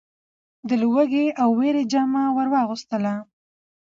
د لوږې او وېري جامه ور واغوستله .